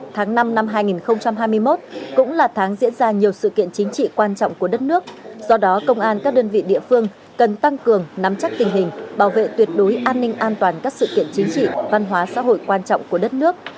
tháng năm năm hai nghìn hai mươi một cũng là tháng diễn ra nhiều sự kiện chính trị quan trọng của đất nước do đó công an các đơn vị địa phương cần tăng cường nắm chắc tình hình bảo vệ tuyệt đối an ninh an toàn các sự kiện chính trị văn hóa xã hội quan trọng của đất nước